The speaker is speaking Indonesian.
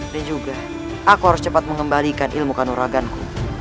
dan juga aku harus cepat mengembalikan ilmu kanuraganku